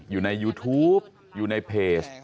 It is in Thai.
อยู่ในยูทูปอยู่ในเพจ